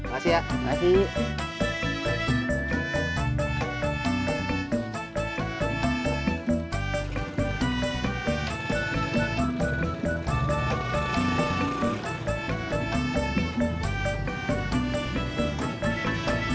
nggak apa apa ya